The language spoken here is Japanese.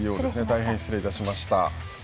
大変失礼しました。